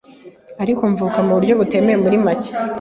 ariko mvuka mu buryo butemewe muri make